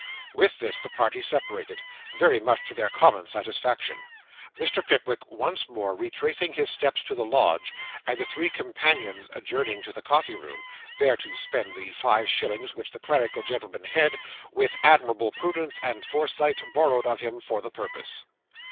With this the parties separated, very much to their common satisfaction; Mr. Pickwick once more retracing his steps to the lodge, and the three companions adjourning to the coffee room, there to spend the five shillings which the clerical gentleman had, with admirable prudence and foresight, borrowed of him for the purpose.